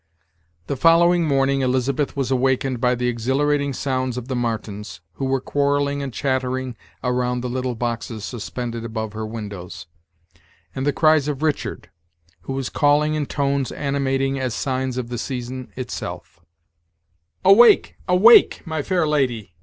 The following morning Elizabeth was awakened by the exhilarating sounds of the martens, who were quarrelling and chattering around the little boxes suspended above her windows, and the cries of Richard, who was calling in tones animating as signs of the season itself: "Awake! awake! my fair lady!